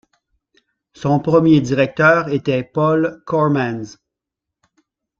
Son premier directeur était Paul Coremans.